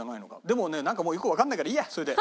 でもねよくわかんないからいいやそれで。